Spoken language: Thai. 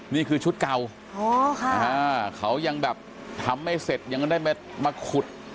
นี่คือชุดเก่าเขายังแบบทำไม่เสร็จยังได้มาขุด